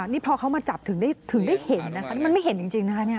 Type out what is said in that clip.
นี่พอเขามาจับถึงได้เห็นนะคะมันไม่เห็นจริงนะคะ